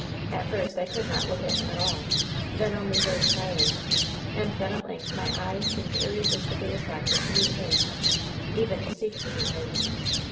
"At first I could not look at him at all ; then only very shyly ; and then at length my eyes seemed irresisti bly attracted to meet his — even to seek to meet his eys.